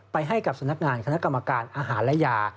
ไปให้กับสำนักงานคณะกรรมการอาหารและยา